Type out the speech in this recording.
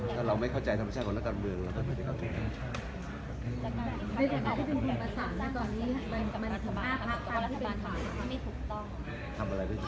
ถ้าเราไม่เข้าใจธรรมชาติของนักการเมืองเราก็ไม่ได้เข้าใจ